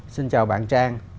xin chào bạn trang